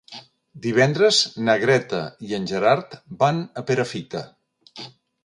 Divendres na Greta i en Gerard van a Perafita.